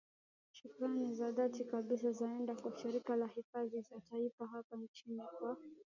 Shukrani za dhati kabisa zaende kwa Shirika la Hifadhi za Taifa hapa nchini kwa